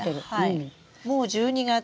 もう１２月。